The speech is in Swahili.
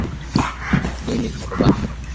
Kwa nini tunagombana?